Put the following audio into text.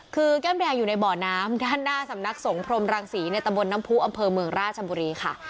คือแก้มแดงอยู่ในบ่อน้ำด้านหน้าสำนักสงพรมรังศรีในตะบนน้ำผู้อำเภอเมืองราชบุรีค่ะ